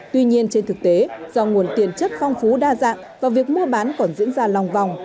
tuy nhiên trên thực tế do nguồn tiền chất phong phú đa dạng và việc mua bán còn diễn ra lòng vòng